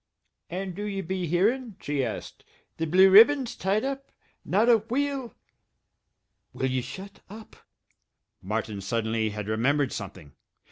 "And do ye be hearin?" she asked. "The Blue Ribbon's tied up! Not a wheel " "Will ye shut up?" Martin suddenly had remembered something.